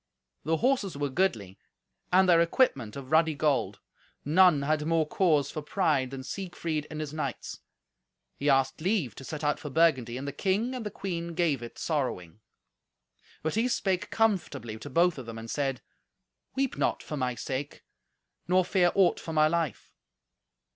The horses were goodly, and their equipment of ruddy gold. None had more cause for pride than Siegfried and his knights. He asked leave to set out for Burgundy, and the king and the queen gave it sorrowing. But he spake comfortably to both of them, and said, "Weep not for my sake; nor fear aught for my life."